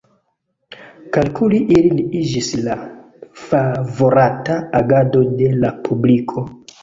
Kalkuli ilin iĝis la favorata agado de la publiko.